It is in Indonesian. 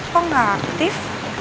kok nggak aktif